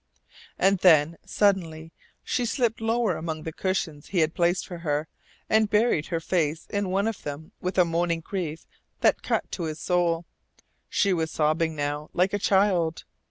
And then, suddenly, she slipped lower among the cushions he had placed for her, and buried her face in one of them with a moaning grief that cut to his soul. She was sobbing now, like a child.